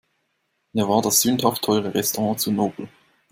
Mir war das sündhaft teure Restaurant zu nobel.